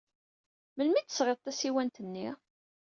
Melmi ay d-tesɣid tasiwant-nni?